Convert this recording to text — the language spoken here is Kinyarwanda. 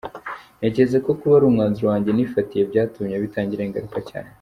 Ntekereza ko kuba ari umwanzuro wanjye nifatiye byatumye bitangiraho ingaruka cyane.